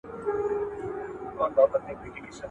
موږ بايد له تېرو پېښو زده کړه وکړو.